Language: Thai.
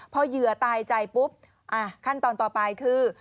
พอเหยื่อตายใจปุ๊บขั้นตอนต่อไปคือ